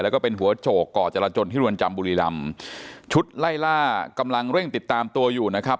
แล้วก็เป็นหัวโจกก่อจรจนที่รวนจำบุรีรำชุดไล่ล่ากำลังเร่งติดตามตัวอยู่นะครับ